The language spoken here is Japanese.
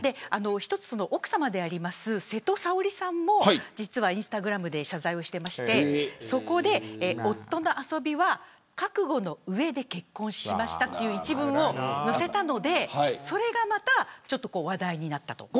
奥さまの瀬戸さおりさんも実はインスタグラムで謝罪をしていてそこで、夫の遊びは覚悟の上で結婚しましたという一文を載せたのでそれが、また話題になった。